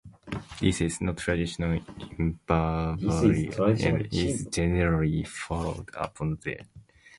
This is not traditional in Bavaria, and is generally frowned upon there.